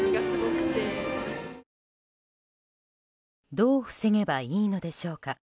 どう防げばいいのでしょうか。